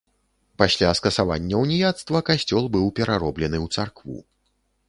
Пасля скасавання уніяцтва касцёл быў перароблены ў царкву.